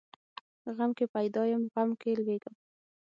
غم کې پیدا یم، غم کې لویېږم.